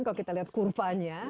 kalau kita lihat kurvanya